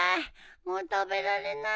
もう食べられない。